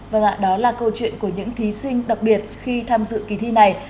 và đó là câu chuyện của những thí sinh đặc biệt khi tham dự kỳ thi này